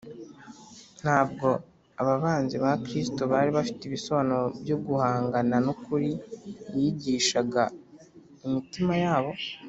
Ntabwo aba banzi ba Kristo bari bafite ibisobanuro byo guhangana n’ukuri yigishaga imitima yabo